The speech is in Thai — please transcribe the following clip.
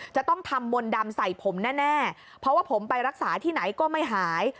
จะต้องทำมนต์ดำใส่ผมแน่เพราะว่าผมไปรักษาที่ไหนก็ไม่หาย